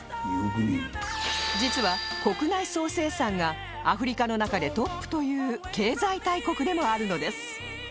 実は国内総生産がアフリカの中でトップという経済大国でもあるのです